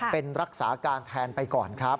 เป็นรักษาการแทนไปก่อนครับ